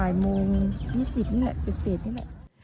บ่ายโมง๒๐นี่แหละเสร็จนี่แหละ